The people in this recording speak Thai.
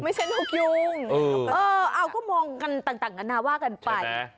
ไม่ใช่นกยูงเออก็มองต่างกันนะว่ากันไป